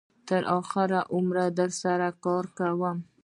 یا تر آخره عمره در سره کار کوم.